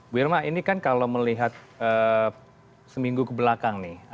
bu irma ini kan kalau melihat seminggu kebelakang nih